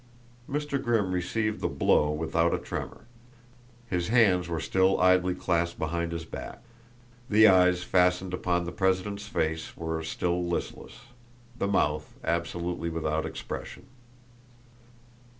Mr. Grimm received the blow without a tremor. His hands were still idly clasped behind his back; the eyes fastened upon the president's face were still listless; the mouth absolutely without expression.